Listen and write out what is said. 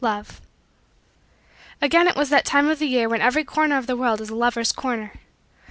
LOVE Again it was that time of the year when every corner of the world is a lovers' corner.